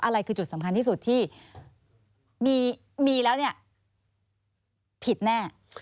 อะไรคือจุดสำคัญที่สุดที่มีแล้วเนี่ยผิดแน่